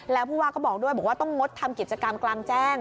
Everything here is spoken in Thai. แล้วผู้ว่าก็บอกด้วยบอกว่าต้องงดทำกิจกรรมกลางแจ้ง